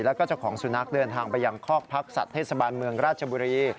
แล้วก็เจ้าของสุนัขเดินทางไปยังคอกพักสัตว์เทศบาลเมืองราชบุรี